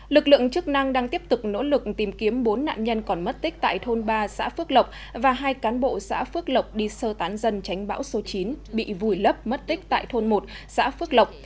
lực lượng chức năng đang tiếp tục nỗ lực tìm kiếm bốn nạn nhân còn mất tích tại thôn ba xã phước lộc và hai cán bộ xã phước lộc đi sơ tán dân tránh bão số chín bị vùi lấp mất tích tại thôn một xã phước lộc